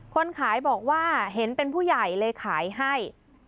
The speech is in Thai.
คนขายบอกว่าเห็นเป็นผู้ใหญ่เลยขายให้